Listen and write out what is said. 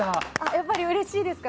やっぱりうれしいですか？